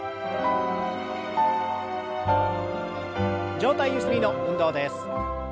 上体ゆすりの運動です。